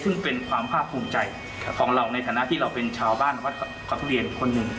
ซึ่งเป็นความภาคภูมิใจของเราในฐานะที่เราเป็นชาวบ้านวัดเกาะทุเรียนคนหนึ่ง